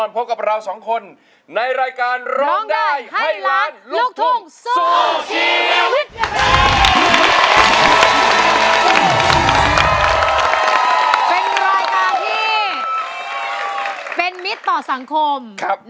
เป็นรายการที่เป็นมิตรต่อสังคม